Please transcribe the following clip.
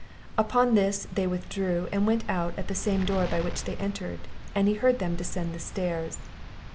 Upon this, they withdrew, and went out at the same door by which they entered, and he heard them descend the stairs.